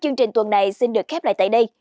chương trình tuần này xin được khép lại tại đây